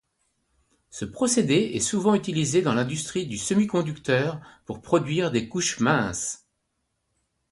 Ce procédé est souvent utilisé dans l'industrie du semi-conducteur pour produire des couches minces.